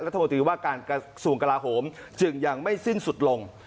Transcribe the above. รัฐมนตรีว่ากิฟต์ทรงกระละหมจึงยังไม่สิ้นสุดลง